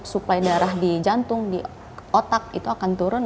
suplai darah di jantung di otak itu akan turun